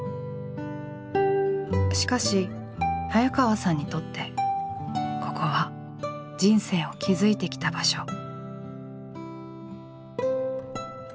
しかし早川さんにとってここは人生を築いてきた場所。